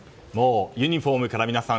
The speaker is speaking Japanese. ユニホームから皆さん